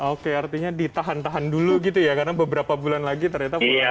oke artinya ditahan tahan dulu gitu ya karena beberapa bulan lagi ternyata bulan